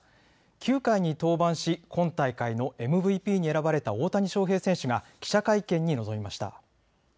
９回に登板し今大会のＭＶＰに選ばれた大谷翔平選手が記者会見に臨みました。